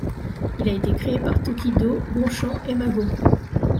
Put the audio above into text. Il a été créé par Tokido, Bonchan et Mago.